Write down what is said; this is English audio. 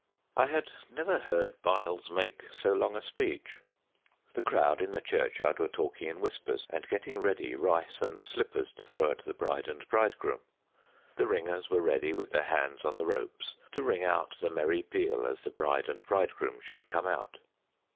I had never heard Byles make so long a speech. The crowd in the churchyard were talking in whispers and getting ready rice and slippers to throw at the bride and bridegroom. The ringers were ready with their hands on the ropes to ring out the merry peal as the bride and bridegroom should come out.